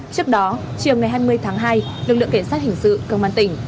trước đó chiều ngày hai mươi tháng hai lực lượng cảnh sát hình sự công an tỉnh